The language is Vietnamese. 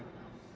thế nhưng mà